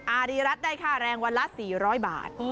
อารีรัฐได้ค่าแรงวันละ๔๐๐บาท